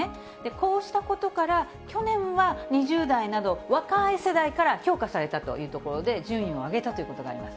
こうしたことから、去年は２０代など、若い世代から評価されたというところで順位を上げたということになります。